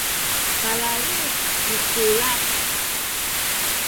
kalalid misulac